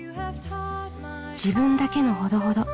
自分だけのほどほど。